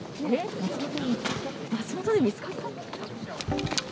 松本で見つかった。